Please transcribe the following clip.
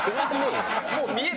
もう見える？